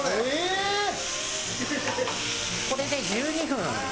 これで１２分。